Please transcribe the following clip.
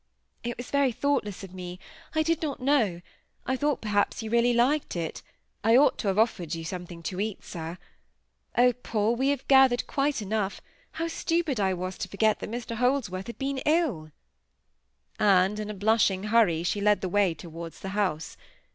"It was very thoughtless of me. I did not know—I thought, perhaps, you really liked it. I ought to have offered you something to eat, sir! Oh, Paul, we have gathered quite enough; how stupid I was to forget that Mr Holdsworth had been ill!" And in a blushing hurry she led the way towards the house.